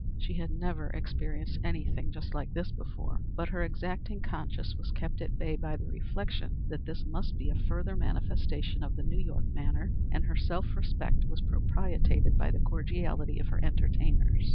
She had never experienced anything just like this before; but her exacting conscience was kept at bay by the reflection that this must be a further manifestation of the New York manner, and her self respect was propitiated by the cordiality of her entertainers.